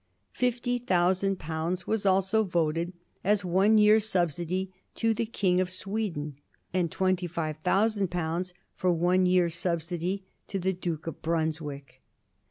Fifty thousand pounds was also voted as ^ one year's subsidy to the King of Sweden,' and twenty five thousand pounds for one year's subsidy to the Duke of Brunswick.